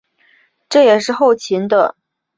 这也是后秦的最后一个年号。